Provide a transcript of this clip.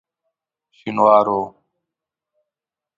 شینوارو.